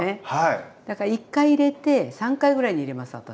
１回入れて３回ぐらいに入れます私。